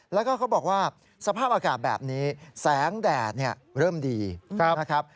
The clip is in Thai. แล้วก็เขาบอกว่าสภาพอากาศแบบนี้แสงแดดเริ่มดีนะครับ